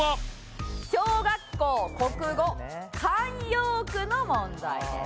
小学校国語慣用句の問題です。